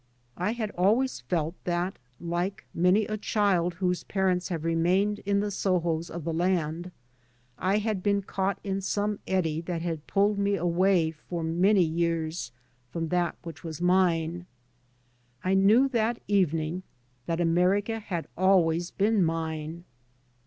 I had always felt that, like many a child whose parents have remained in the Sohos of the land, I had been caught in some eddy that had pulled me away for many years from that which was mine. I knew that evening that America had always been mine.